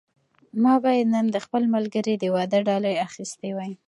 ما باید نن د خپل ملګري د واده ډالۍ اخیستې وای.